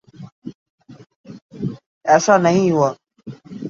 ایسا نہیں ہوا۔